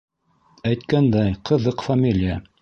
Әйткәндәй, ҡыҙыҡ фамилия.